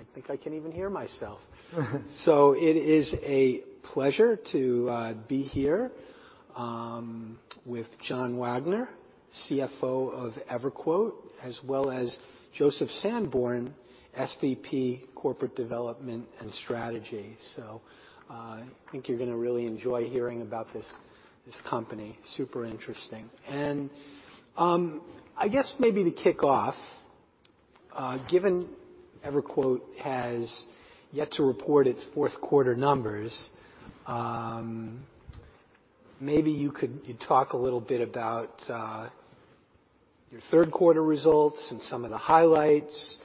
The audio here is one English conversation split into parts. I think I can even hear myself. It is a pleasure to be here with John Wagner, CFO of EverQuote, as well as Joseph Sanborn, SVP Corporate Development and Strategy. I think you're gonna really enjoy hearing about this company. Super interesting. I guess maybe to kick off, given EverQuote has yet to report its fourth quarter numbers, maybe you could talk a little bit about your third quarter results and some of the highlights.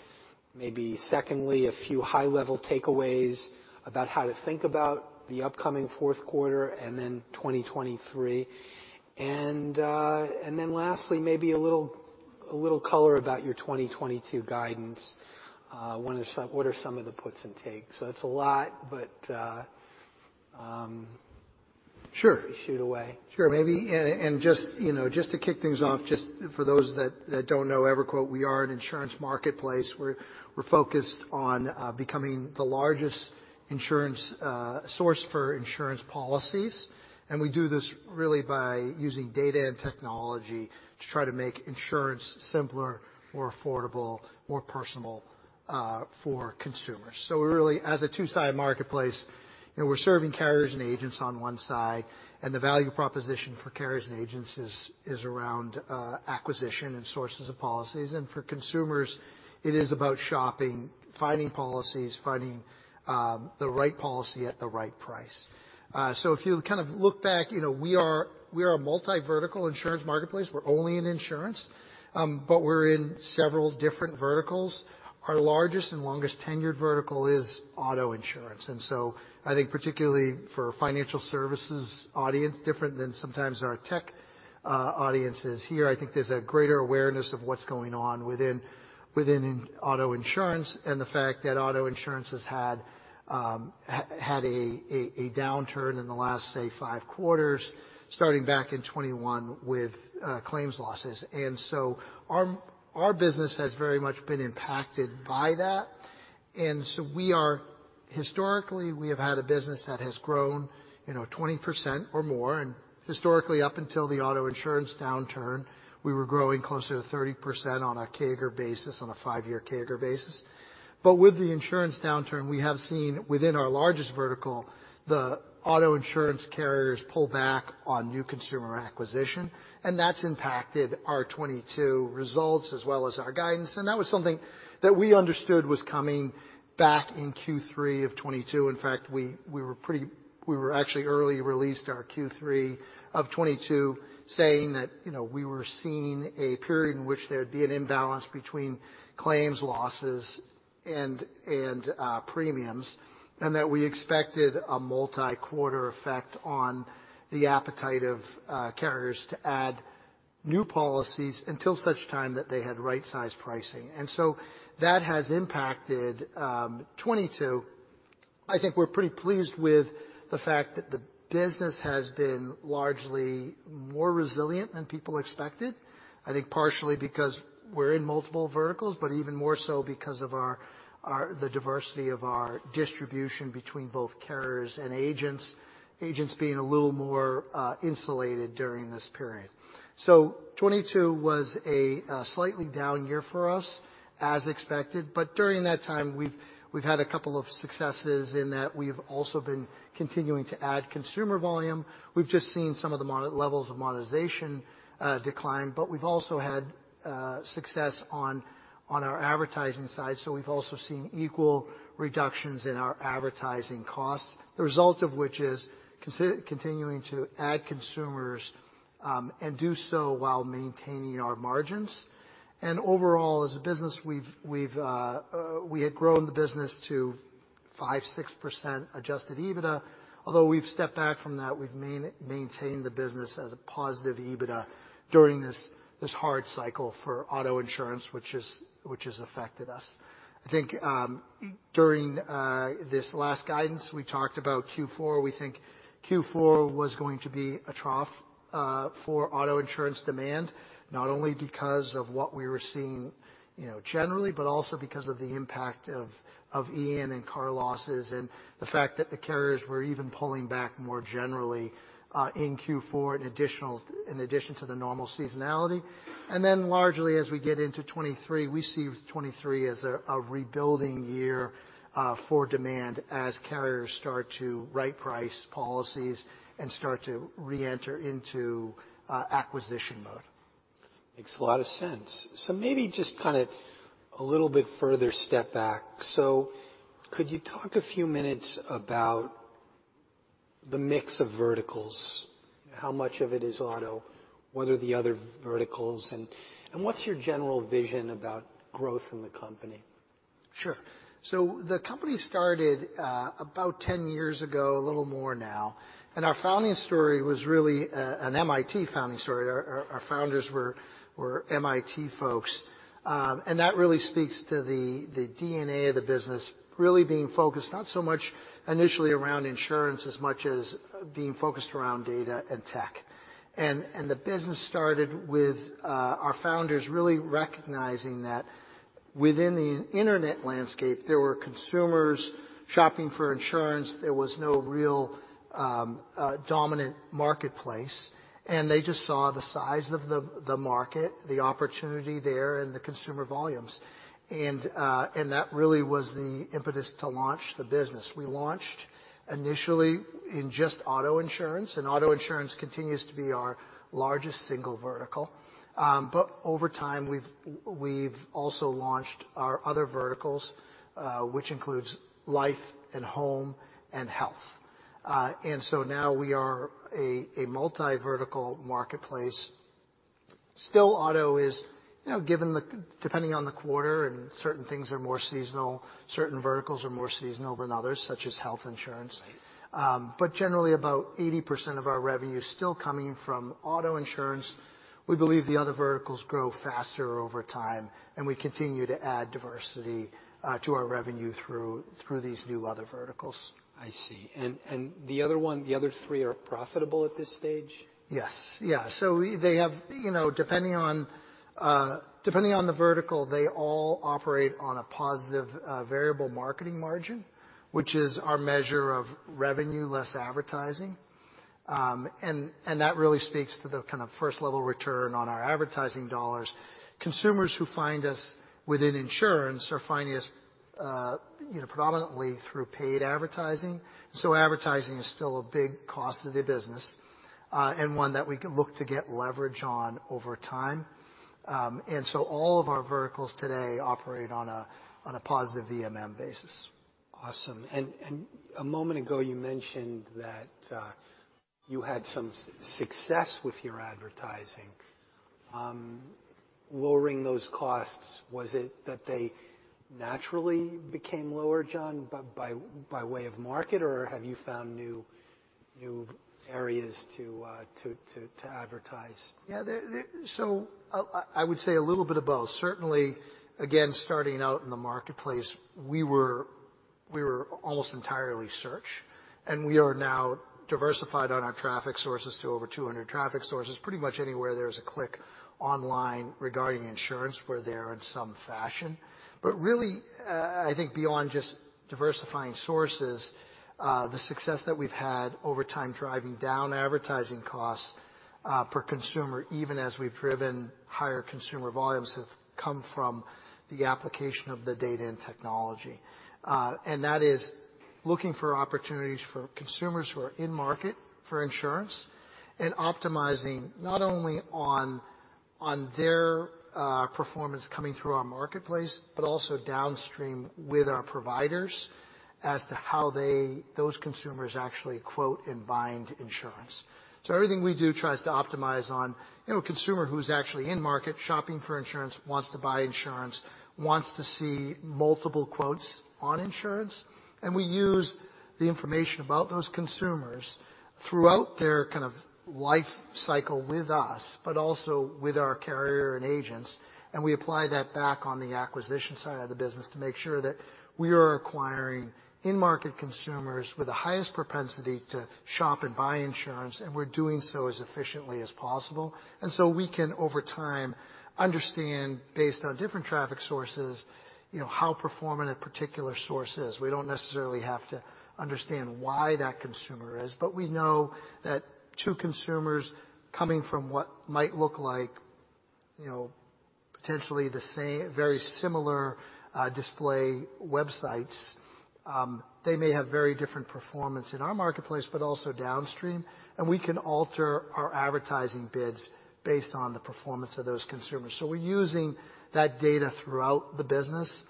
Maybe secondly, a few high-level takeaways about how to think about the upcoming fourth quarter and then 2023. Lastly, maybe a little color about your 2022 guidance. What are some of the puts and takes? That's a lot, but. Sure. Shoot away. Sure. Just, you know, just to kick things off, just for those that don't know EverQuote, we are an insurance marketplace. We're focused on becoming the largest insurance source for insurance policies, and we do this really by using data and technology to try to make insurance simpler, more affordable, more personal for consumers. Really, as a two-sided marketplace, you know, we're serving carriers and agents on one side, and the value proposition for carriers and agents is around acquisition and sources of policies. For consumers, it is about shopping, finding policies, finding the right policy at the right price. If you kind of look back, you know, we are a multi-vertical insurance marketplace. We're only in insurance, but we're in several different verticals. Our largest and longest tenured vertical is auto insurance. I think particularly for financial services audience, different than sometimes our tech audience here, I think there's a greater awareness of what's going on within auto insurance and the fact that auto insurance has had a downturn in the last, say, five quarters, starting back in 2021 with claims losses. Our business has very much been impacted by that. We are historically, we have had a business that has grown, you know, 20% or more. Historically, up until the auto insurance downturn, we were growing closer to 30% on a CAGR basis, on a five-year CAGR basis. With the insurance downturn, we have seen within our largest vertical, the auto insurance carriers pull back on new consumer acquisition, and that's impacted our 2022 results as well as our guidance. That was something that we understood was coming back in Q3 of 2022. In fact, we were actually early released our Q3 of 2022 saying that, you know, we were seeing a period in which there'd be an imbalance between claims losses and premiums, and that we expected a multi-quarter effect on the appetite of carriers to add new policies until such time that they had right-sized pricing. That has impacted 2022. I think we're pretty pleased with the fact that the business has been largely more resilient than people expected. I think partially because we're in multiple verticals, but even more so because of our, the diversity of our distribution between both carriers and agents being a little more insulated during this period. 22 was a slightly down year for us as expected, but during that time, we've had a couple of successes in that we've also been continuing to add consumer volume. We've just seen some of the levels of monetization decline, but we've also had success on our advertising side. We've also seen equal reductions in our advertising costs, the result of which is continuing to add consumers and do so while maintaining our margins. Overall, as a business, we've, we had grown the business to 5%, 6% Adjusted EBITDA. Although we've stepped back from that, we've maintained the business as a positive EBITDA during this hard cycle for auto insurance, which has affected us. I think, during this last guidance, we talked about Q4. We think Q4 was going to be a trough for auto insurance demand, not only because of what we were seeing, you know, generally, but also because of the impact of Ian and car losses and the fact that the carriers were even pulling back more generally in Q4 in addition to the normal seasonality. Largely, as we get into 23, we see 23 as a rebuilding year for demand as carriers start to right-price policies and start to reenter into acquisition mode. Makes a lot of sense. Maybe just kind of a little bit further step back. Could you talk a few minutes about the mix of verticals? How much of it is Auto? What are the other verticals? What's your general vision about growth in the company? Sure. The company started about 10 years ago, a little more now, and our founding story was really an MIT founding story. Our founders were MIT folks. That really speaks to the DNA of the business really being focused not so much initially around insurance, as much as being focused around data and tech. The business started with our founders really recognizing that within the internet landscape, there were consumers shopping for insurance. There was no real dominant marketplace, and they just saw the size of the market, the opportunity there, and the consumer volumes. That really was the impetus to launch the business. We launched initially in just auto insurance. Auto insurance continues to be our largest single vertical. Over time, we've also launched our other verticals, which includes life and home and health. Now we are a multi-vertical marketplace. Still auto is, you know, depending on the quarter and certain things are more seasonal, certain verticals are more seasonal than others, such as health insurance. I see. Generally about 80% of our revenue is still coming from auto insurance. We believe the other verticals grow faster over time, and we continue to add diversity to our revenue through these new other verticals. I see. The other one, the other three are profitable at this stage? Yes. Yeah. They have, you know, depending on, depending on the vertical, they all operate on a positive Variable Marketing Margin, which is our measure of revenue less advertising. And that really speaks to the kind of first-level return on our advertising dollars. Consumers who find us within insurance are finding us, you know, predominantly through paid advertising. Advertising is still a big cost of the business, and one that we can look to get leverage on over time. All of our verticals today operate on a positive VMM basis. Awesome. A moment ago, you mentioned that you had some success with your advertising. Lowering those costs, was it that they naturally became lower, John, by way of market, or have you found new areas to advertise? Yeah. I would say a little bit of both. Certainly, again, starting out in the marketplace, we were almost entirely search, and we are now diversified on our traffic sources to over 200 traffic sources. Pretty much anywhere there's a click online regarding insurance, we're there in some fashion. Really, I think beyond just diversifying sources, the success that we've had over time driving down advertising costs per consumer, even as we've driven higher consumer volumes have come from the application of the data and technology. That is looking for opportunities for consumers who are in market for insurance and optimizing not only on their performance coming through our marketplace, but also downstream with our providers as to how those consumers actually quote and bind insurance. Everything we do tries to optimize on, you know, a consumer who's actually in market shopping for insurance, wants to buy insurance, wants to see multiple quotes on insurance. We use the information about those consumers throughout their kind of life cycle with us, but also with our carrier and agents, and we apply that back on the acquisition side of the business to make sure that we are acquiring in-market consumers with the highest propensity to shop and buy insurance, and we're doing so as efficiently as possible. We can, over time, understand, based on different traffic sources, you know, how performant a particular source is. We don't necessarily have to understand why that consumer is, but we know that two consumers coming from what might look like, you know, potentially the same, very similar, display websites, they may have very different performance in our marketplace, but also downstream. We can alter our advertising bids based on the performance of those consumers. We're using that data throughout the business,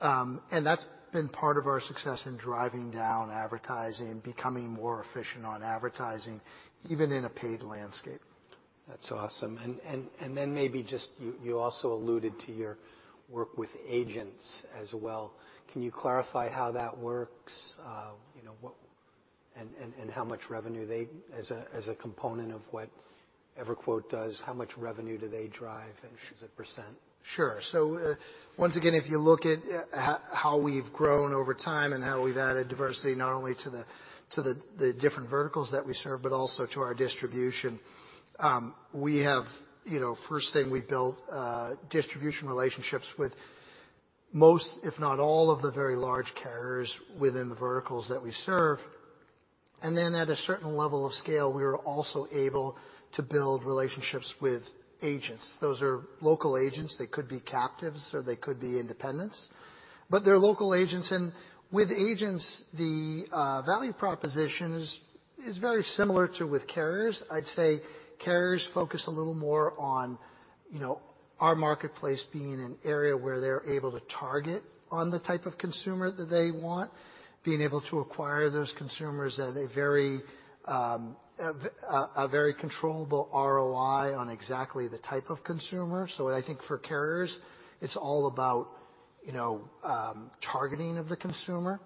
and that's been part of our success in driving down advertising, becoming more efficient on advertising, even in a paid landscape. That's awesome. Then maybe just you also alluded to your work with agents as well. Can you clarify how that works? you know, what... And how much revenue as a component of what EverQuote does, how much revenue do they drive, and as a percent? Sure. Once again, if you look at how we've grown over time and how we've added diversity, not only to the different verticals that we serve, but also to our distribution, we have, you know, first thing we built distribution relationships with most, if not all of the very large carriers within the verticals that we serve. At a certain level of scale, we were also able to build relationships with agents. Those are local agents. They could be captives, or they could be independents, but they're local agents. With agents, the value proposition is very similar to with carriers. I'd say carriers focus a little more on, you know, our marketplace being an area where they're able to target on the type of consumer that they want, being able to acquire those consumers at a very controllable ROI on exactly the type of consumer. I think for carriers, it's all about, you know, targeting of the consumer.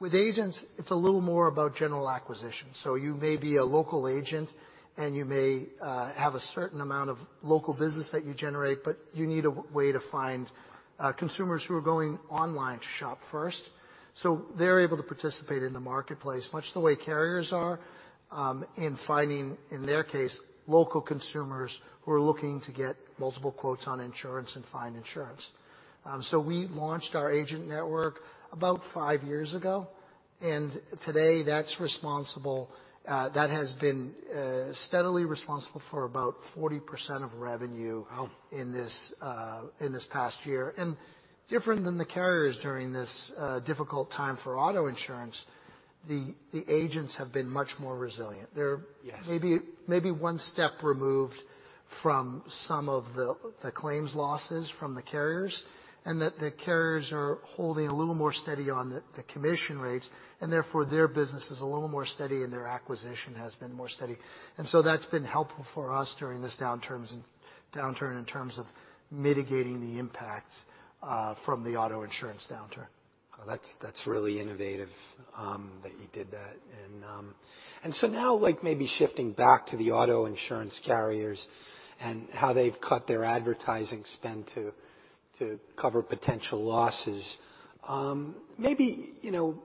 With agents, it's a little more about general acquisition. You may be a local agent, and you may have a certain amount of local business that you generate, but you need a way to find consumers who are going online to shop first. They're able to participate in the marketplace much the way carriers are, in finding, in their case, local consumers who are looking to get multiple quotes on insurance and find insurance. We launched our agent network about five years ago. Today, that has been steadily responsible for about 40% of revenue. Wow. in this past year. Different than the carriers during this, difficult time for auto insurance, the agents have been much more resilient. Yes. maybe one step removed from some of the claims losses from the carriers, and that the carriers are holding a little more steady on the commission rates, and therefore their business is a little more steady and their acquisition has been more steady. That's been helpful for us during this downturn in terms of mitigating the impact from the auto insurance downturn. Oh, that's really innovative, that you did that. Now, like, maybe shifting back to the auto insurance carriers and how they've cut their advertising spend to cover potential losses, maybe, you know.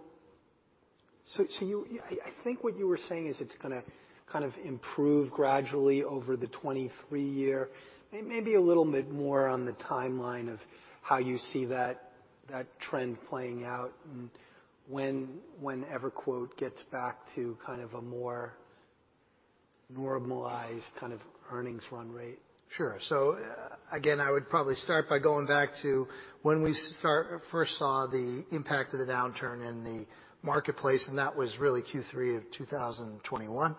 I think what you were saying is it's gonna kind of improve gradually over the 2023 year. Maybe a little bit more on the timeline of how you see that trend playing out and when EverQuote gets back to kind of a more normalized earnings run rate. Sure. Again, I would probably start by going back to when we first saw the impact of the downturn in the marketplace. That was really Q3 of 2021.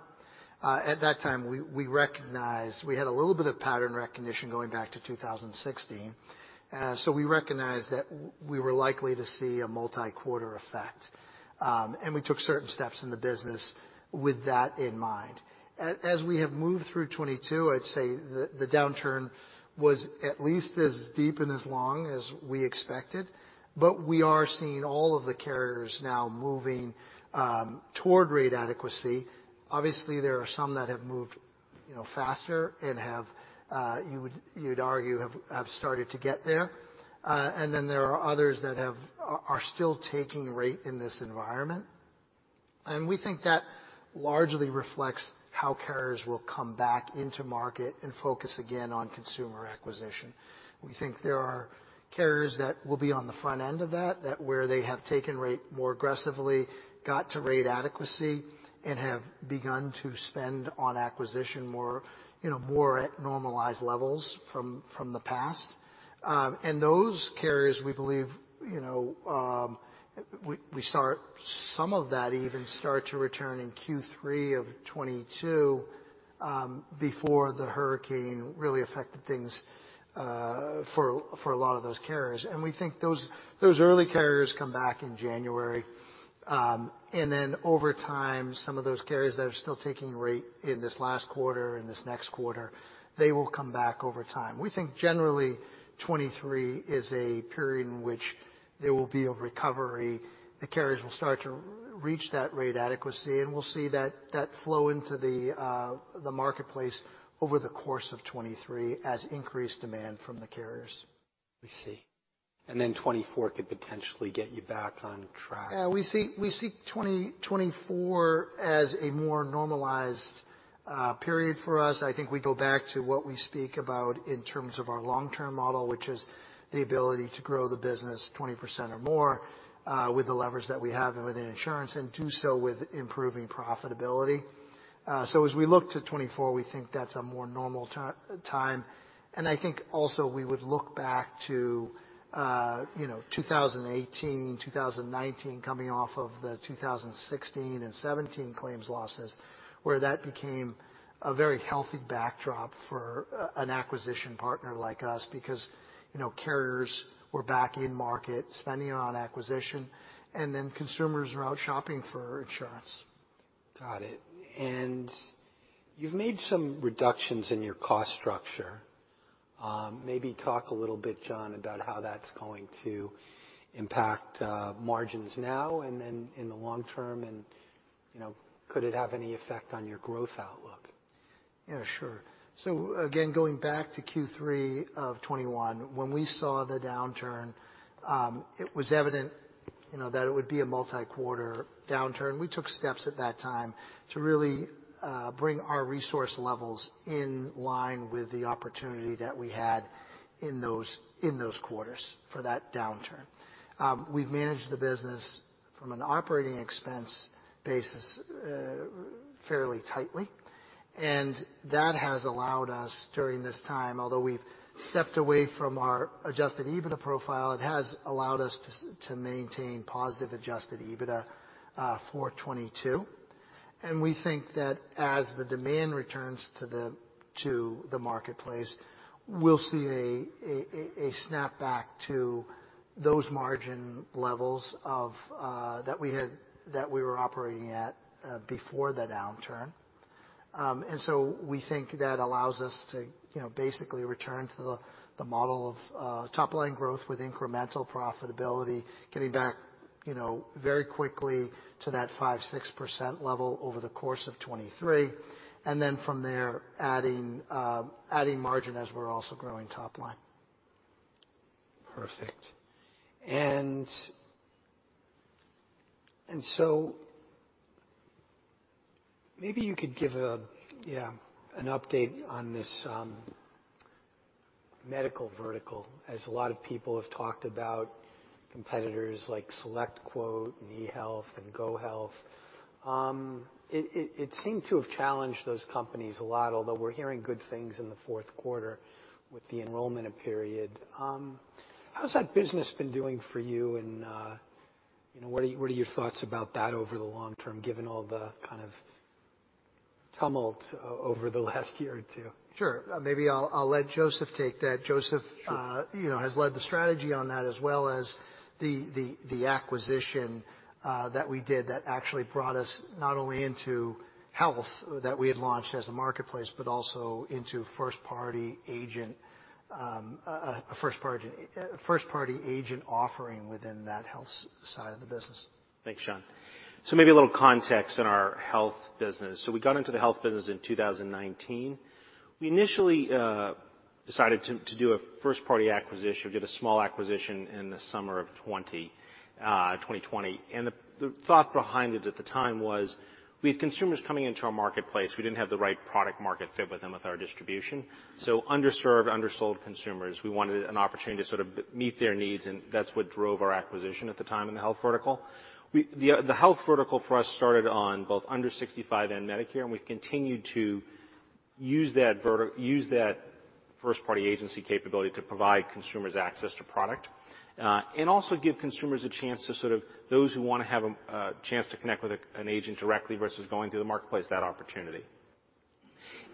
At that time, we recognized. We had a little bit of pattern recognition going back to 2016. We recognized that we were likely to see a multi-quarter effect. We took certain steps in the business with that in mind. As we have moved through 2022, I'd say the downturn was at least as deep and as long as we expected. We are seeing all of the carriers now moving toward rate adequacy. Obviously, there are some that have moved, you know, faster and have, you'd argue have started to get there. There are others that are still taking rate in this environment. We think that largely reflects how carriers will come back into market and focus again on consumer acquisition. We think there are carriers that will be on the front end of that where they have taken rate more aggressively, got to rate adequacy, and have begun to spend on acquisition more, you know, more at normalized levels from the past. Those carriers, we believe, you know, some of that even start to return in Q3 of 2022 before the hurricane really affected things for a lot of those carriers. We think those early carriers come back in January. Then over time, some of those carriers that are still taking rate in this last quarter and this next quarter, they will come back over time. We think generally 2023 is a period in which there will be a recovery. The carriers will start to reach that rate adequacy, and we'll see that flow into the marketplace over the course of 2023 as increased demand from the carriers. I see. 2024 could potentially get you back on track. Yeah. We see 2024 as a more normalized period for us. I think we go back to what we speak about in terms of our long-term model, which is the ability to grow the business 20% or more with the leverage that we have within insurance and do so with improving profitability. As we look to 2024, we think that's a more normal time. I think also we would look back to, you know, 2018, 2019, coming off of the 2016 and 2017 claims losses, where that became a very healthy backdrop for an acquisition partner like us because, you know, carriers were back in market, spending on acquisition, and then consumers are out shopping for insurance. Got it. You've made some reductions in your cost structure. Maybe talk a little bit, John, about how that's going to impact margins now and then in the long term and, you know, could it have any effect on your growth outlook? Yeah, sure. Again, going back to Q3 of 2021, when we saw the downturn, it was evident, you know, that it would be a multi-quarter downturn. We took steps at that time to really bring our resource levels in line with the opportunity that we had in those, in those quarters for that downturn. We've managed the business from an operating expense basis, fairly tightly, and that has allowed us during this time, although we've stepped away from our Adjusted EBITDA profile, it has allowed us to maintain positive Adjusted EBITDA for 2022. We think that as the demand returns to the marketplace, we'll see a snapback to those margin levels of that we were operating at before the downturn. We think that allows us to, you know, basically return to the model of top-line growth with incremental profitability, getting back, you know, very quickly to that 5%, 6% level over the course of 2023, and then from there, adding margin as we're also growing top line. Perfect. Maybe you could give a, yeah, an update on this medical vertical, as a lot of people have talked about competitors like SelectQuote and eHealth and GoHealth. It seemed to have challenged those companies a lot, although we're hearing good things in the fourth quarter with the enrollment period. How's that business been doing for you, and, you know, what are your thoughts about that over the long term, given all the kind of tumult over the last year or two? Sure. Maybe I'll let Joseph take that. Sure. you know, has led the strategy on that, as well as the acquisition that we did that actually brought us not only into health that we had launched as a marketplace, but also into first party agent, a first party agent offering within that health side of the business. Thanks, John. Maybe a little context in our health business. We got into the health business in 2019. We initially decided to do a first-party acquisition, did a small acquisition in the summer of '20, 2020. The thought behind it at the time was we had consumers coming into our marketplace who didn't have the right product-market fit with them with our distribution. Underserved, undersold consumers, we wanted an opportunity to sort of meet their needs, and that's what drove our acquisition at the time in the health vertical. The health vertical for us started on both under 65 and Medicare, and we've continued to use that first-party agency capability to provide consumers access to product, and also give consumers a chance to sort of. those who wanna have a chance to connect with an agent directly versus going to the marketplace, that opportunity.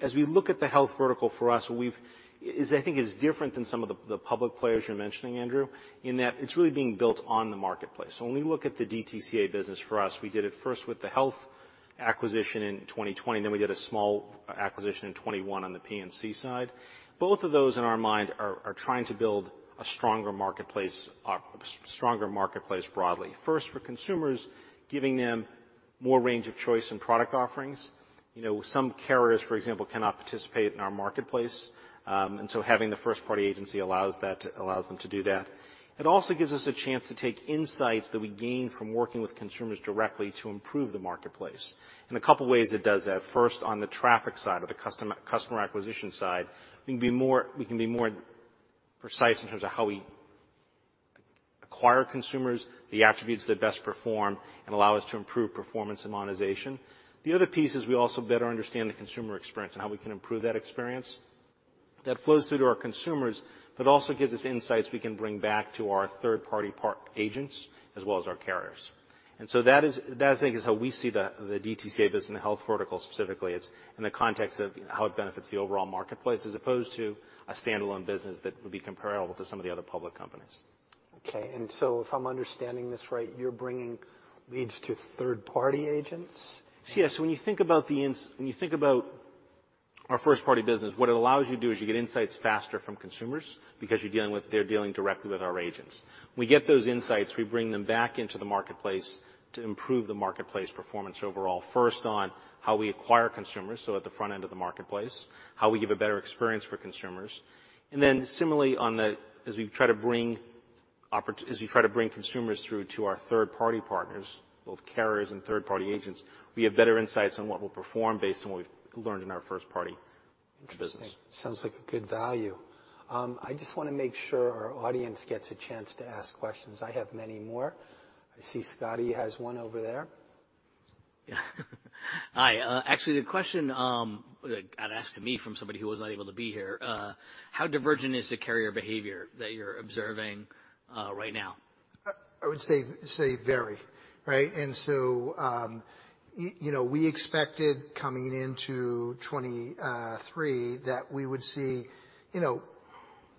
As we look at the health vertical for us, is I think is different than some of the public players you're mentioning, Andrew, in that it's really being built on the marketplace. When we look at the DTCA business for us, we did it first with the health acquisition in 2020, then we did a small acquisition in 2021 on the P&C side. Both of those in our mind are trying to build a stronger marketplace, stronger marketplace broadly. For consumers, giving them more range of choice in product offerings. You know, some carriers, for example, cannot participate in our marketplace, and so having the first party agency allows them to do that. It also gives us a chance to take insights that we gain from working with consumers directly to improve the marketplace. A couple ways it does that, first, on the traffic side or the customer acquisition side, we can be more precise in terms of how we acquire consumers, the attributes that best perform and allow us to improve performance and monetization. The other piece is we also better understand the consumer experience and how we can improve that experience. That flows through to our consumers, but also gives us insights we can bring back to our third-party agents as well as our carriers. That is, I think, how we see the DTCA business and health vertical specifically. It's in the context of how it benefits the overall marketplace as opposed to a standalone business that would be comparable to some of the other public companies. Okay. If I'm understanding this right, you're bringing leads to third-party agents? Yes. When you think about our first party business, what it allows you to do is you get insights faster from consumers because they're dealing directly with our agents. We get those insights, we bring them back into the marketplace to improve the marketplace performance overall. First, on how we acquire consumers, so at the front end of the marketplace, how we give a better experience for consumers. Then similarly as we try to bring consumers through to our third-party partners, both carriers and third-party agents, we have better insights on what will perform based on what we've learned in our first party business. Interesting. Sounds like a good value. I just want to make sure our audience gets a chance to ask questions. I have many more. I see Scotty has one over there. Hi. Actually, the question, got asked to me from somebody who was not able to be here. How divergent is the carrier behavior that you're observing, right now? I would say very. Right? You know, we expected coming into 2023 that we would see, you know,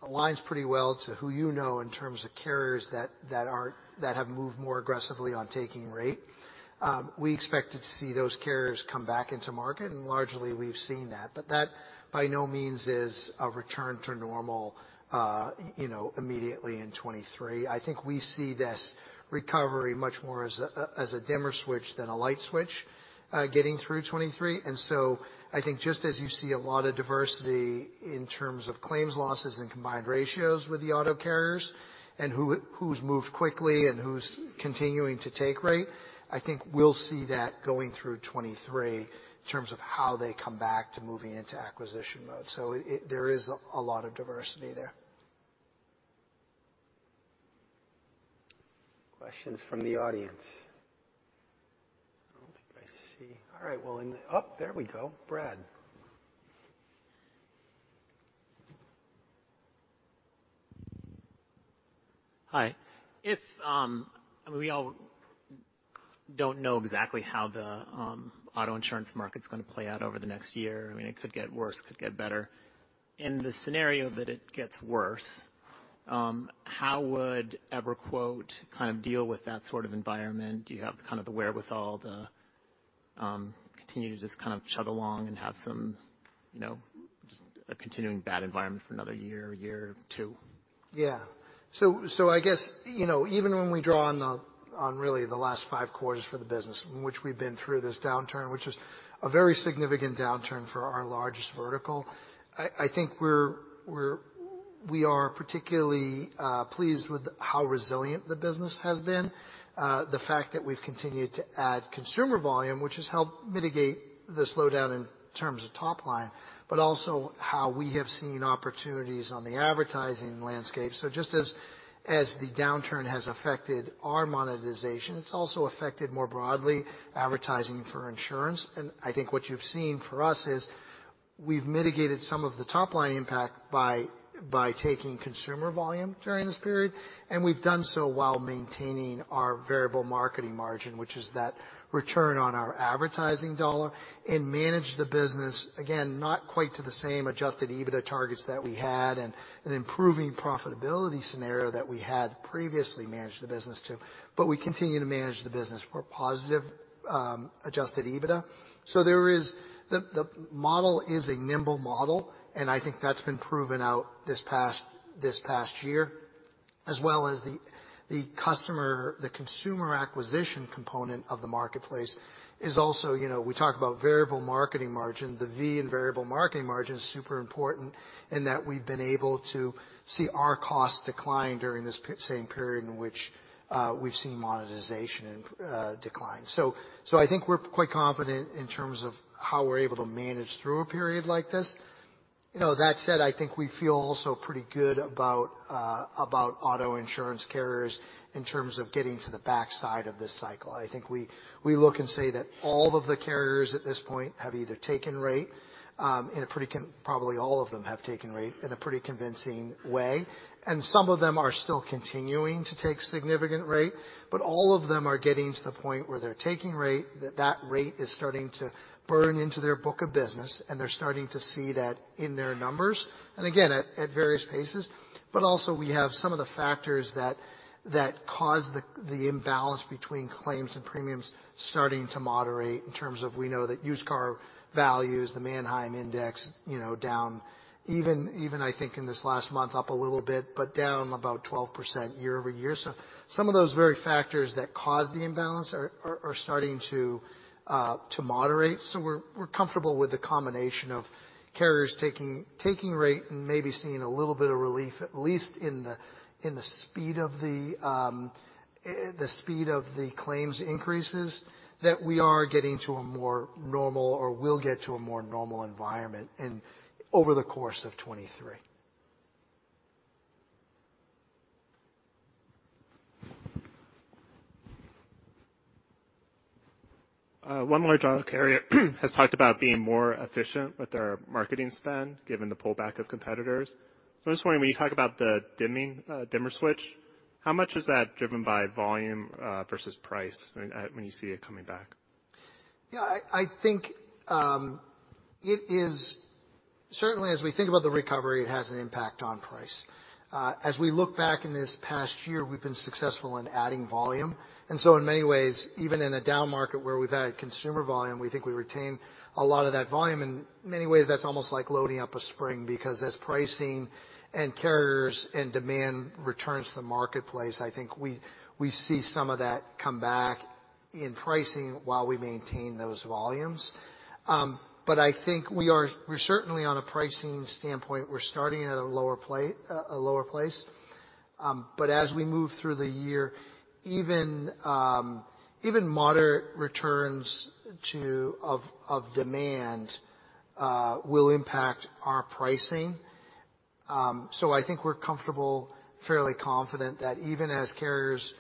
aligns pretty well to who you know in terms of carriers that aren't, that have moved more aggressively on taking rate. We expected to see those carriers come back into market, and largely we've seen that. That by no means is a return to normal, you know, immediately in 2023. I think we see this recovery much more as a dimmer switch than a light switch, getting through 2023. I think just as you see a lot of diversity in terms of claims losses and combined ratios with the auto carriers and who's moved quickly and who's continuing to take rate, I think we'll see that going through 2023 in terms of how they come back to moving into acquisition mode. There is a lot of diversity there. Questions from the audience. I don't think I see. All right. Well then. Oh, there we go. Brad. Hi. If... I mean, we all don't know exactly how the auto insurance market's gonna play out over the next year. I mean, it could get worse, it could get better. In the scenario that it gets worse, how would EverQuote kind of deal with that sort of environment? Do you have kind of the wherewithal to continue to just kind of chug along and have some, you know, just a continuing bad environment for another year or two? Yeah. I guess, you know, even when we draw on the, on really the last five quarters for the business in which we've been through this downturn, which is a very significant downturn for our largest vertical, I think We are particularly pleased with how resilient the business has been. The fact that we've continued to add consumer volume, which has helped mitigate the slowdown in terms of top line, but also how we have seen opportunities on the advertising landscape. Just as the downturn has affected our monetization, it's also affected more broadly advertising for insurance. I think what you've seen from us is we've mitigated some of the top line impact by taking consumer volume during this period. We've done so while maintaining our Variable Marketing Margin, which is that return on our advertising dollar and manage the business, again, not quite to the same Adjusted EBITDA targets that we had and an improving profitability scenario that we had previously managed the business to. We continue to manage the business for positive Adjusted EBITDA. The model is a nimble model, and I think that's been proven out this past year, as well as the consumer acquisition component of the marketplace is also, you know, we talk about Variable Marketing Margin. The V in Variable Marketing Margin is super important in that we've been able to see our costs decline during this same period in which we've seen monetization decline. I think we're quite confident in terms of how we're able to manage through a period like this. You know, that said, I think we feel also pretty good about auto insurance carriers in terms of getting to the backside of this cycle. I think we look and say that all of the carriers at this point have either taken rate probably all of them have taken rate in a pretty convincing way, and some of them are still continuing to take significant rate. All of them are getting to the point where they're taking rate, that rate is starting to burn into their book of business, and they're starting to see that in their numbers, and again at various paces. Also we have some of the factors that caused the imbalance between claims and premiums starting to moderate in terms of we know that used car values, the Manheim Index, you know, down even I think in this last month, up a little bit, but down about 12% year over year. Some of those very factors that caused the imbalance are starting to moderate. We're comfortable with the combination of carriers taking rate and maybe seeing a little bit of relief, at least in the speed of the speed of the claims increases, that we are getting to a more normal or will get to a more normal environment over the course of 2023. One large auto carrier has talked about being more efficient with their marketing spend given the pullback of competitors. I'm just wondering, when you talk about the dimming, dimmer switch, how much is that driven by volume, versus price when you see it coming back? Yeah, I think, it is. Certainly, as we think about the recovery, it has an impact on price. As we look back in this past year, we've been successful in adding volume. In many ways, even in a down market where we've added consumer volume, we think we retain a lot of that volume. In many ways, that's almost like loading up a spring because as pricing and carriers and demand returns to the marketplace, I think we see some of that come back in pricing while we maintain those volumes. I think we're certainly on a pricing standpoint. We're starting at a lower place. As we move through the year, even moderate returns of demand will impact our pricing. I think we're comfortable, fairly confident that even as carriers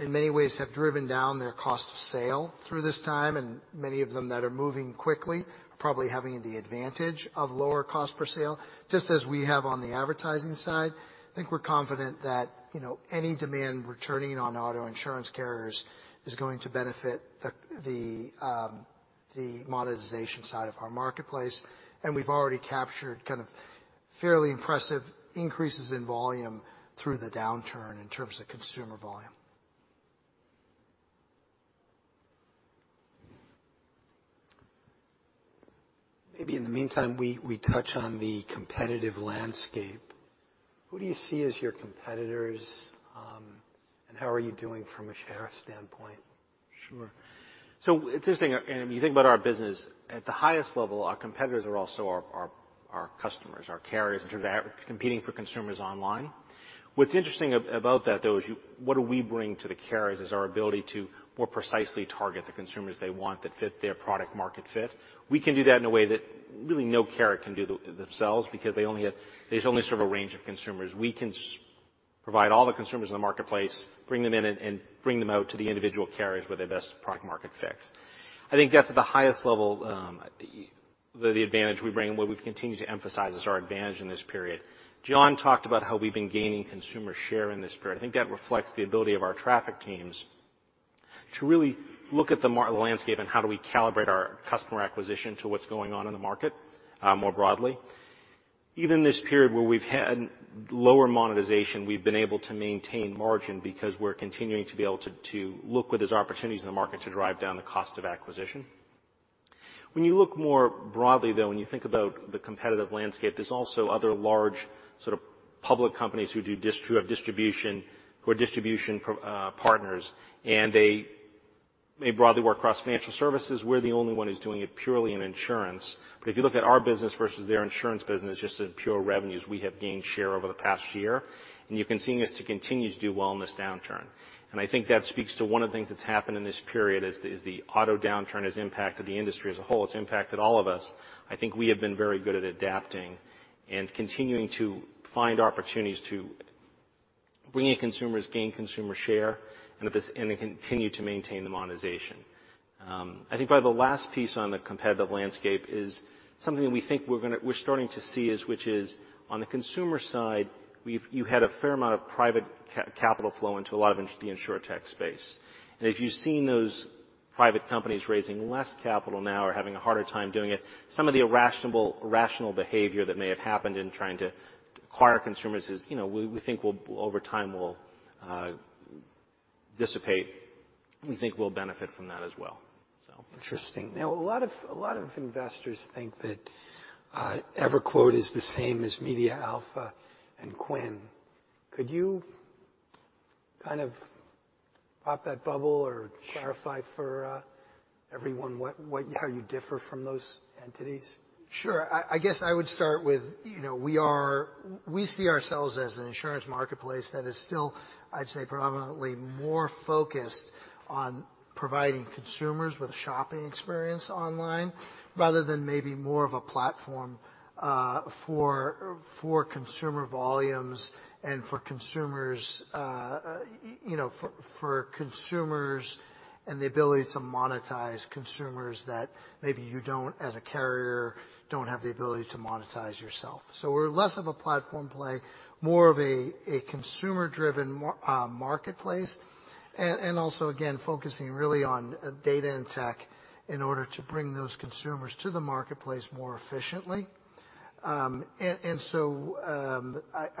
in many ways have driven down their cost of sale through this time, and many of them that are moving quickly are probably having the advantage of lower cost per sale, just as we have on the advertising side. I think we're confident that, you know, any demand returning on auto insurance carriers is going to benefit the monetization side of our marketplace. We've already captured kind of fairly impressive increases in volume through the downturn in terms of consumer volume. Maybe in the meantime, we touch on the competitive landscape. Who do you see as your competitors, and how are you doing from a share standpoint? Sure. It's interesting. When you think about our business, at the highest level, our competitors are also our customers, our carriers in terms of competing for consumers online. What's interesting about that, though, is what do we bring to the carriers is our ability to more precisely target the consumers they want that fit their product market fit. We can do that in a way that really no carrier can do themselves because they only serve a range of consumers. We can provide all the consumers in the marketplace, bring them in and bring them out to the individual carriers where their best product market fits. I think that's at the highest level, the advantage we bring and what we've continued to emphasize is our advantage in this period. John talked about how we've been gaining consumer share in this period. I think that reflects the ability of our traffic teams to really look at the landscape and how do we calibrate our customer acquisition to what's going on in the market more broadly. Even this period where we've had lower monetization, we've been able to maintain margin because we're continuing to be able to look where there's opportunities in the market to drive down the cost of acquisition. When you look more broadly, though, when you think about the competitive landscape, there's also other large sort of public companies who are distribution pro partners, and They broadly work across financial services. We're the only one who's doing it purely in insurance. If you look at our business versus their insurance business, just in pure revenues, we have gained share over the past year, and you've been seeing us to continue to do well in this downturn. I think that speaks to one of the things that's happened in this period is the auto downturn has impacted the industry as a whole. It's impacted all of us. I think we have been very good at adapting and continuing to find opportunities to bring in consumers, gain consumer share, and then continue to maintain the monetization. I think probably the last piece on the competitive landscape is something that we think we're starting to see is, which is on the consumer side, capital flow into a lot of the insurtech space. If you've seen those private companies raising less capital now or having a harder time doing it, some of the irrational, rational behavior that may have happened in trying to acquire consumers is, you know, we think will, over time, dissipate. We think we'll benefit from that as well. Interesting. A lot of investors think that EverQuote is the same as MediaAlpha and Quinn. Could you kind of pop that bubble or clarify for everyone what, how you differ from those entities? Sure. I guess I would start with, you know, we see ourselves as an insurance marketplace that is still, I'd say, predominantly more focused on providing consumers with a shopping experience online rather than maybe more of a platform for consumer volumes and for consumers, you know, for consumers and the ability to monetize consumers that maybe you don't, as a carrier, don't have the ability to monetize yourself. We're less of a platform play, more of a consumer-driven marketplace, and also, again, focusing really on data and tech in order to bring those consumers to the marketplace more efficiently. I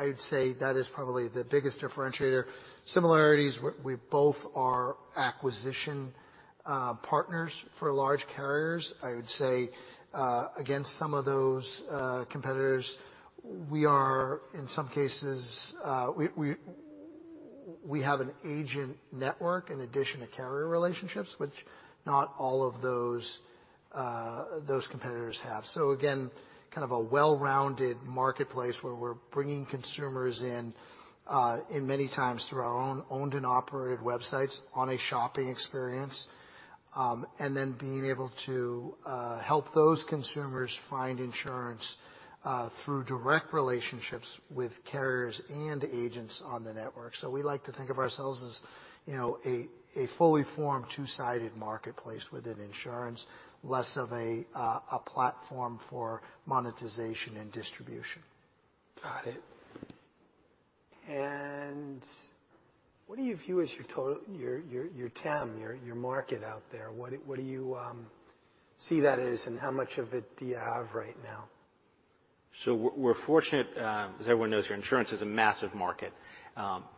would say that is probably the biggest differentiator. Similarities, we both are acquisition partners for large carriers. I would say, against some of those competitors, we are in some cases, we have an agent network in addition to carrier relationships, which not all of those those competitors have. Again, kind of a well-rounded marketplace where we're bringing consumers in many times through our own owned and operated websites on a shopping experience, being able to help those consumers find insurance, through direct relationships with carriers and agents on the network. We like to think of ourselves as, you know, a fully formed two-sided marketplace within insurance, less of a platform for monetization and distribution. Got it. What do you view as your TAM, your market out there? What do you see that as, and how much of it do you have right now? We're fortunate, as everyone knows here, insurance is a massive market.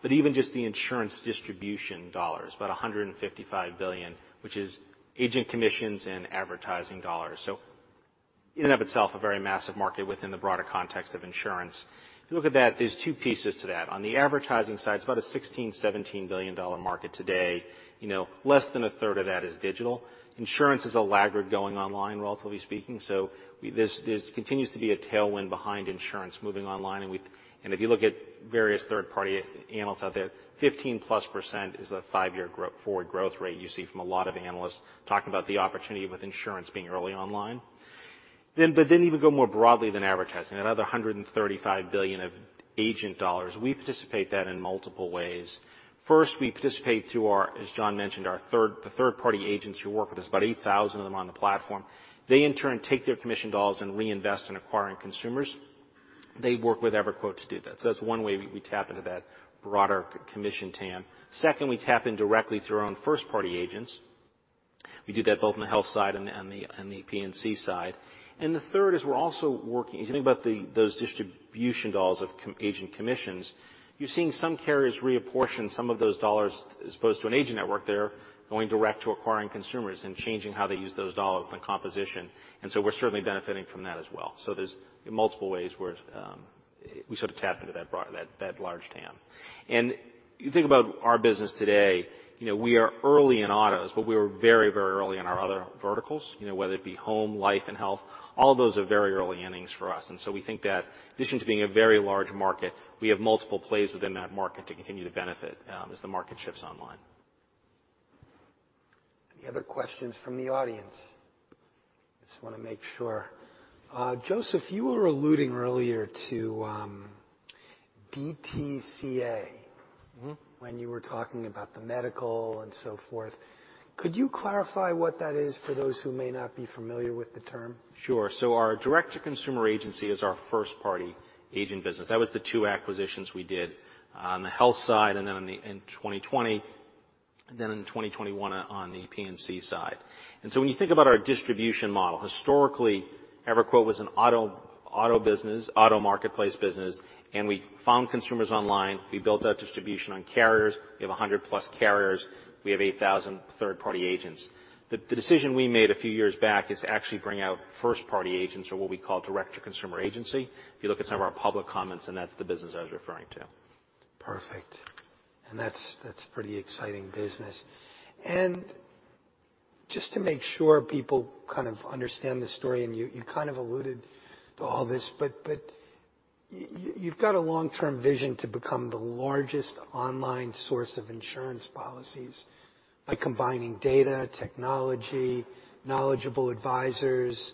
Even just the insurance distribution dollars, about $155 billion, which is agent commissions and advertising dollars. In and of itself, a very massive market within the broader context of insurance. If you look at that, there's two pieces to that. On the advertising side, it's about a $16 billion-$17 billion market today. You know, less than a third of that is digital. Insurance is a laggard going online, relatively speaking. This continues to be a tailwind behind insurance moving online. If you look at various third-party analysts out there, 15%+ is the five-year forward growth rate you see from a lot of analysts talking about the opportunity with insurance being early online. Even go more broadly than advertising, another $135 billion of agent dollars. We participate that in multiple ways. First, we participate through as John mentioned, the third-party agents who work with us, about 8,000 of them on the platform. They in turn take their commission dollars and reinvest in acquiring consumers. They work with EverQuote to do that. That's one way we tap into that broader commission TAM. Second, we tap in directly through our own first-party agents. We do that both on the health side and the P&C side. The third is we're also working... If you think about the, those distribution dollars of agent commissions, you're seeing some carriers reapportion some of those dollars, as opposed to an agent network there, going direct to acquiring consumers and changing how they use those dollars and the composition. We're certainly benefiting from that as well. There's multiple ways where we sort of tap into that broad, that large TAM. You think about our business today, you know, we are early in autos, but we were very, very early in our other verticals, you know, whether it be home, life, and health. All of those are very early innings for us. We think that in addition to being a very large market, we have multiple plays within that market to continue to benefit as the market shifts online. Any other questions from the audience? Just wanna make sure. Joseph, you were alluding earlier to, DTCA- Mm-hmm. When you were talking about the medical and so forth. Could you clarify what that is for those who may not be familiar with the term? Sure. Our direct-to-consumer agency is our first-party agent business. That was the two acquisitions we did on the health side and then on the, in 2020, then in 2021 on the P&C side. When you think about our distribution model, historically, EverQuote was an auto business, auto marketplace business, and we found consumers online. We built out distribution on carriers. We have 100+ carriers. We have 8,000 third-party agents. The decision we made a few years back is to actually bring out first-party agents or what we call direct-to-consumer agency. If you look at some of our public comments, that's the business I was referring to. Perfect. That's pretty exciting business. Just to make sure people kind of understand the story, and you kind of alluded to all this, but you've got a long-term vision to become the largest online source of insurance policies by combining data, technology, knowledgeable advisors,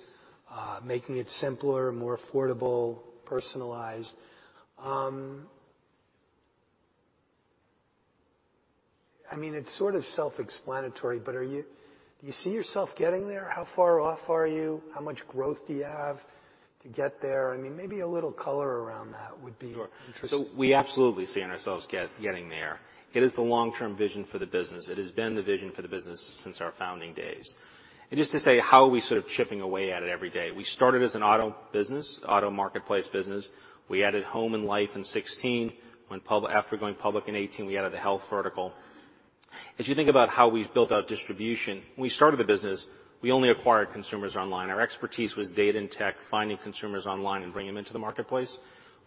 making it simpler, more affordable, personalized. I mean, it's sort of self-explanatory, but do you see yourself getting there? How far off are you? How much growth do you have to get there? I mean, maybe a little color around that would be interesting. Sure. We absolutely see ourselves getting there. It is the long-term vision for the business. It has been the vision for the business since our founding days. Just to say how are we sort of chipping away at it every day. We started as an auto business, auto marketplace business. We added home and life in 16. When after going public in 18, we added the health vertical. As you think about how we've built our distribution, when we started the business, we only acquired consumers online. Our expertise was data and tech, finding consumers online and bringing them into the marketplace.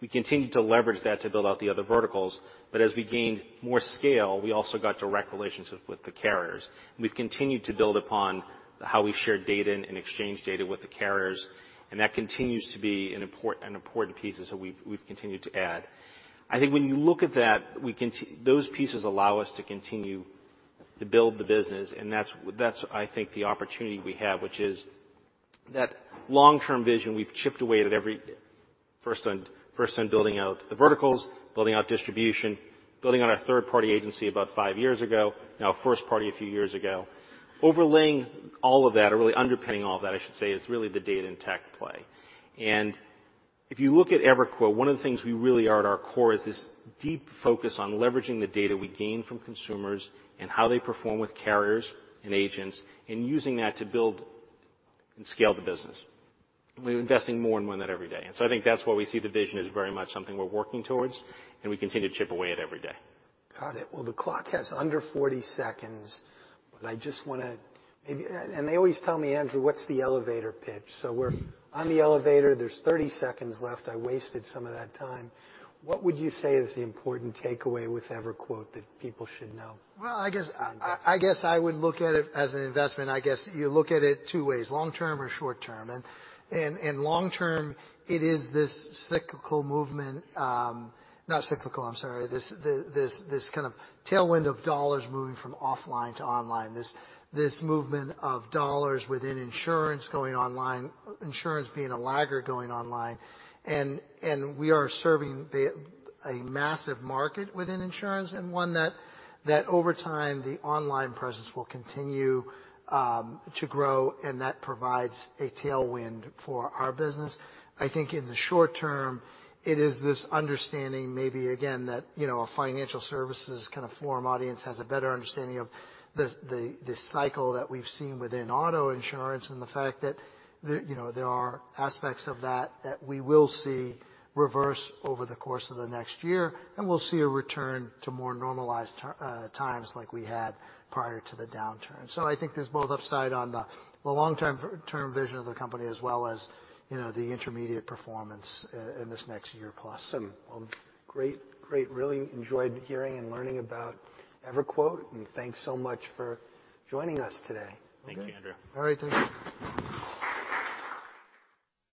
We continued to leverage that to build out the other verticals, but as we gained more scale, we also got direct relationships with the carriers. We've continued to build upon how we share data and exchange data with the carriers, that continues to be an important piece as we've continued to add. I think when you look at that, those pieces allow us to continue to build the business, that's, I think, the opportunity we have, which is that long-term vision we've chipped away at. First on building out the verticals, building out distribution, building out our third-party agency about five years ago, now first party a few years ago. Overlaying all of that or really underpinning all that, I should say, is really the data and tech play. If you look at EverQuote, one of the things we really are at our core is this deep focus on leveraging the data we gain from consumers and how they perform with carriers and agents, and using that to build and scale the business. We're investing more and more in that every day. I think that's why we see the vision as very much something we're working towards, and we continue to chip away at every day. Got it. Well, the clock has under 40 seconds, but I just wanna maybe... And they always tell me, Andrew, what's the elevator pitch? We're on the elevator, there's 30 seconds left. I wasted some of that time. What would you say is the important takeaway with EverQuote that people should know? Well, I guess I would look at it as an investment. I guess you look at it two ways, long term or short term. Long term, it is this cyclical movement. Not cyclical, I'm sorry. This kind of tailwind of dollars moving from offline to online. This movement of dollars within insurance going online, insurance being a laggard going online. We are serving a massive market within insurance, and one that over time, the online presence will continue to grow, and that provides a tailwind for our business. I think in the short term, it is this understanding maybe again, that, you know, a financial services kind of forum audience has a better understanding of this, the cycle that we've seen within auto insurance and the fact that there, you know, there are aspects of that we will see reverse over the course of the next year, and we'll see a return to more normalized times like we had prior to the downturn. I think there's both upside on the long-term vision of the company as well as, you know, the intermediate performance in this next year plus. Awesome. great. Really enjoyed hearing and learning about EverQuote. Thanks so much for joining us today. Thank you, Andrew. All right. Thank you.